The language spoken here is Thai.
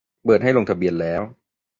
เปิดให้ลงทะเบียนแล้ว